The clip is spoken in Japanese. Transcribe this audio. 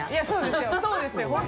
そうですよ